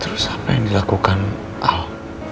terus apa yang dilakukan ahok